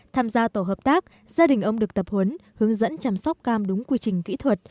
tham gia tổ hợp tác gia đình ông được tập huấn hướng dẫn chăm sóc cam đúng quy trình kỹ thuật